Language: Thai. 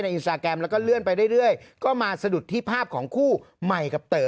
ในแล้วก็เลื่อนไปเรื่อยเรื่อยก็มาสะดุดที่ภาพของคู่ใหม่กับเต๋